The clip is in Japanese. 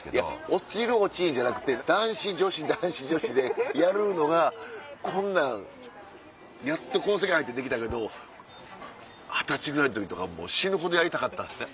落ちる落ちひんじゃなくて男子女子男子女子でやるのがこんなんやっとこの世界入ってできたけど二十歳ぐらいの時とかもう死ぬほどやりたかった。